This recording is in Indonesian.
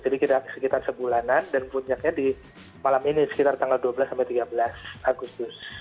jadi sekitar sebulanan dan puncaknya di malam ini sekitar tanggal dua belas tiga belas agustus